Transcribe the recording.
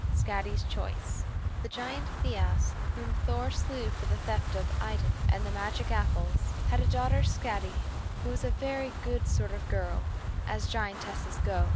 SKADI'S CHOICE The giant Thiasse, whom Thor slew for the theft of Idun and the magic apples, had a daughter, Skadi, who was a very good sort of girl, as giantesses go.